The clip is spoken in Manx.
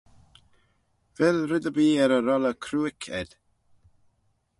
Vel red erbee er y rolley cruick ayd?